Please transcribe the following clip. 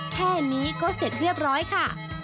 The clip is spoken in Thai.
แค่นี้ก็เสร็จเรียบร้อยค่ะ